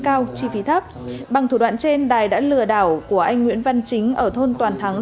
cao chi phí thấp bằng thủ đoạn trên đài đã lừa đảo của anh nguyễn văn chính ở thôn toàn thắng